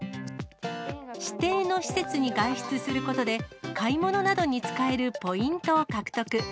指定の施設に外出することで、買い物などに使えるポイントを獲得。